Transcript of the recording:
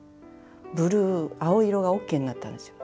ブルー青色がＯＫになったんですよ。